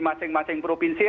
di masing masing provinsi